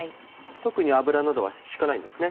特に油などは引かないんですね。